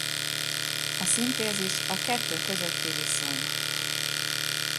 A szintézis a kettő közötti viszony.